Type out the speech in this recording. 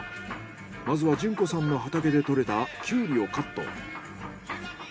まずは潤子さんの畑で採れたキュウリをカット。